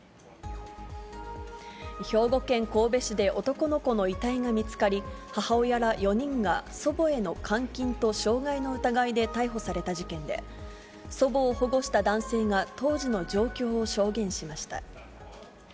兵庫県神戸市で男の子の遺体が見つかり、母親ら４人が、祖母への監禁と傷害の疑いで逮捕された事件で、祖母を保護した男性が当時の状況を証言しました。